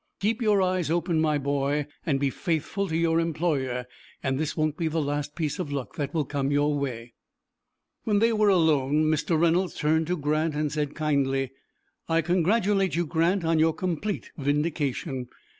"Keep your eyes open, my boy, and be faithful to your employer, and this won't be the last piece of luck that will come your way." When they were alone Mr. Reynolds turned to Grant and said kindly, "I congratulate you, Grant, on your complete vindication.